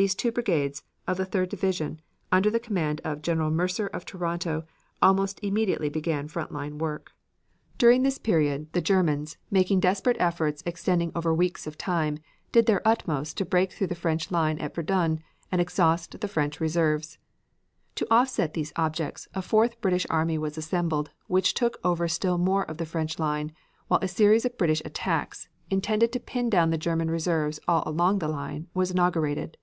These two brigades, of the Third Division, under the command of General Mercer of Toronto, almost immediately began front line work. During this period, the Germans, making desperate efforts extending over weeks of time, did their utmost to break through the French line at Verdun and exhaust the French reserves. To offset these objects, a fourth British army was assembled, which took over still more of the French line, while a series of British attacks, intended to pin down the German reserves all along the line, was inaugurated.